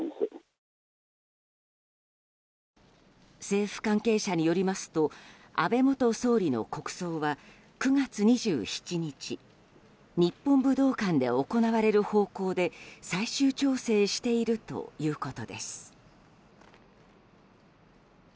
政府関係者によりますと安倍元総理の国葬は９月２７日日本武道館で行われる方向で最終調整しているということです。